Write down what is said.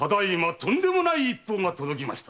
とんでもない一報が届きました。